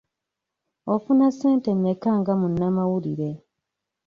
Ofuna ssente mmeka nga munnamawulire?